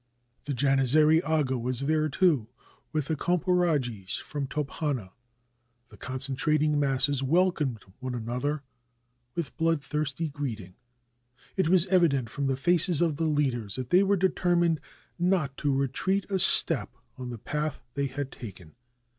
The Janizary aga was there, too, with the Komparajis from Tophana. The concentrating masses welcomed one an other with bloodthirsty greeting. It was evident, from the faces of their leaders, that they were determined not to retreat a step on the path they had taken.